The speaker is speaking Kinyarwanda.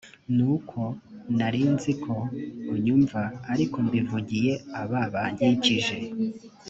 ni koko nari nzi ko unyumva ariko mbivugiye aba bankikije.